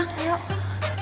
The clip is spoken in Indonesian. yuk yuk yuk sekarang